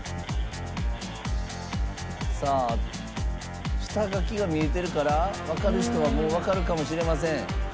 さあ下書きが見えてるからわかる人はもうわかるかもしれません。